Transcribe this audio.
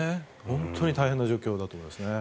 本当に大変な状況だと思いますね。